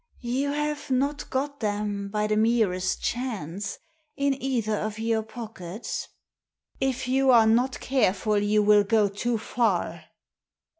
" You have not got them, by the merest chance, in either of your pockets." " If you are not careful you will go too far